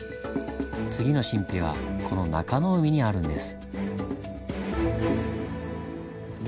次の神秘はこの中湖にあるんです。